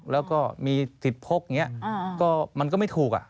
แล้วก็มีสิทธิ์พกมันก็ไม่ถูก